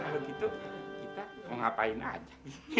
begitu kita ngapain aja